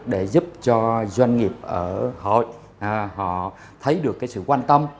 để giúp cho doanh nghiệp ở hội họ thấy được cái sự quan tâm